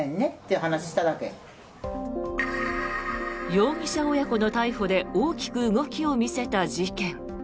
容疑者親子の逮捕で大きく動きを見せた事件。